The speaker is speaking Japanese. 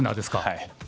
はい。